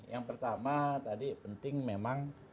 yang pertama tadi penting memang